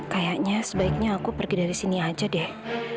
kayaknya sebaiknya aku pergi dari sini aja deh